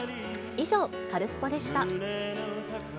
以上、カルスポっ！でした。